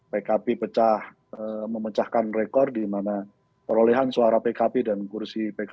pkb memecahkan rekor di mana perolehan suara pkb dan kursi pkb